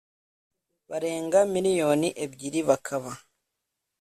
barenga miriyoni ebyiri bakaba